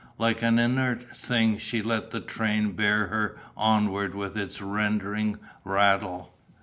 Like an inert thing she let the train bear her onward with its rending rattle.